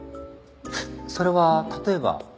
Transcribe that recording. それは例えば？